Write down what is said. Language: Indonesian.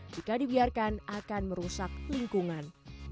jika dibiarkan akan merusak lingkungan